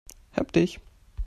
Hab dich!